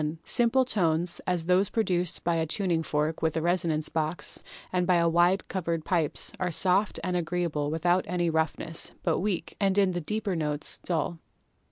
Simple tones, as those produced by a tuning fork with a resonance box, and by wide covered pipes, are soft and agreeable without any roughness, but weak, and in the deeper notes dull.